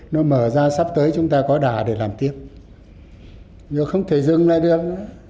nó mở ra sắp tới chúng ta có đả để làm tiếp nhưng không thể dừng lại được